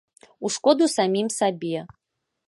У шкоду самім сабе.